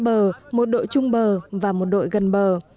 các đội sẽ nâng cao trung bờ một đội trung bờ và một đội gần bờ